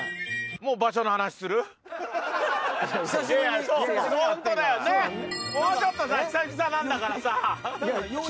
もうちょっとさ久々なんだからさ。